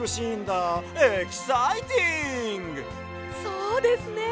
そうですね